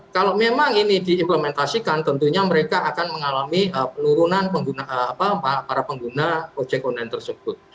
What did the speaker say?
kalau memang ini diimplementasikan tentunya mereka akan mengalami penurunan para pengguna ojek online tersebut